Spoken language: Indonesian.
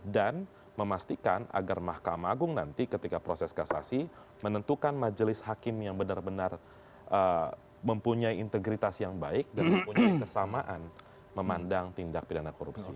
dan memastikan agar mahkamah agung nanti ketika proses kasasi menentukan majelis hakim yang benar benar mempunyai integritas yang baik dan mempunyai kesamaan memandang tindak pidana korupsi